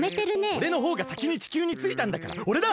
おれのほうがさきに地球についたんだからおれだ！